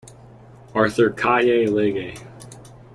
Arthur Kaye Legge.